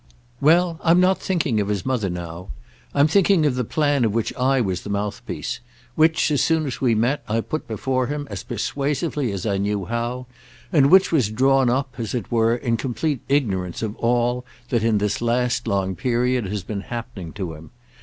"Well, I'm not thinking of his mother now. I'm thinking of the plan of which I was the mouthpiece, which, as soon as we met, I put before him as persuasively as I knew how, and which was drawn up, as it were, in complete ignorance of all that, in this last long period, has been happening to him.